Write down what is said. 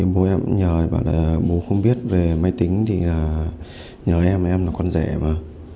bố em nhờ bảo là bố không biết về máy tính thì nhờ em em là con rể mà